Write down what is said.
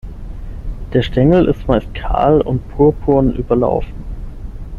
Der Stängel ist meist kahl und purpurn überlaufen.